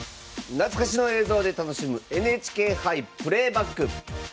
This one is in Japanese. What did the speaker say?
懐かしの映像で楽しむＮＨＫ杯プレーバック。